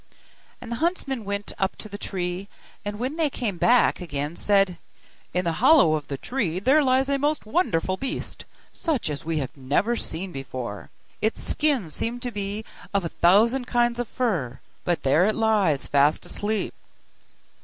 And the huntsmen went up to the tree, and when they came back again said, 'In the hollow tree there lies a most wonderful beast, such as we never saw before; its skin seems to be of a thousand kinds of fur, but there it lies fast asleep.